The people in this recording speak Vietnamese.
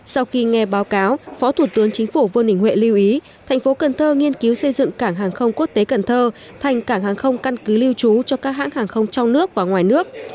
sau khi nghe báo cáo phó thủ tướng chính phủ vương đình huệ lưu ý thành phố cần thơ nghiên cứu xây dựng cảng hàng không quốc tế cần thơ thành cảng hàng không căn cứ lưu trú cho các hãng hàng không trong nước và ngoài nước